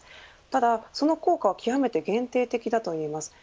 ただ、その効果は極めて限定的だといえます。